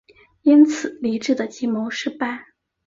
因此黎质的计谋失败。